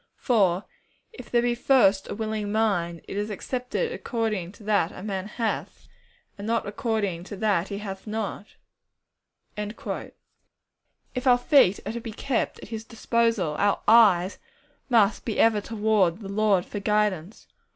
For if there be first a willing mind, it is accepted according to that a man hath, and not according to that he hath not.' If our feet are to be kept at His disposal, our eyes must be ever toward the Lord for guidance.